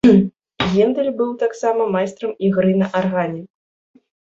Гендэль быў таксама майстрам ігры на аргане.